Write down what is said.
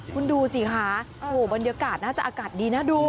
คุณดูสิคะบรรยากาศน่าจะอากาศดีนะดู